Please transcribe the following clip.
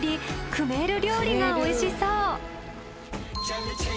クメール料理がおいしそう。